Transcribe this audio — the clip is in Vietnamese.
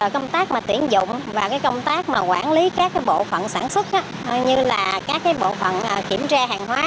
công tác tuyển dụng và công tác quản lý các bộ phận sản xuất như là các bộ phận kiểm tra hàng hóa